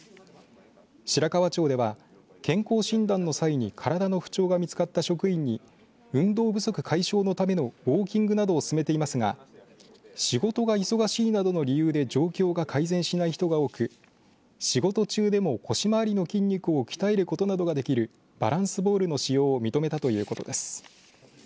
白川町では健康診断の際に体の不調が見つかった職員に運動不足解消のためのウォーキングなどを勧めていますが仕事が忙しいなどの理由で状況が改善しない人が多く仕事中でも腰回りの筋肉を鍛えることなどができるバランスボールの使用を認めたということです。